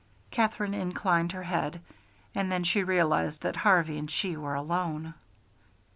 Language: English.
Katherine inclined her head. And then she realized that Harvey and she were alone.